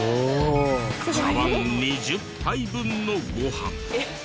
茶わん２０杯分のご飯。